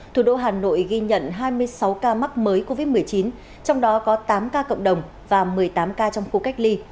thủ đô hà nội ghi nhận hai mươi sáu ca mắc mới covid một mươi chín trong đó có tám ca cộng đồng và một mươi tám ca trong khu cách ly